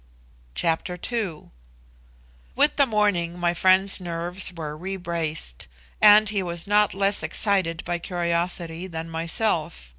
Chapter II. With the morning my friend's nerves were rebraced, and he was not less excited by curiosity than myself.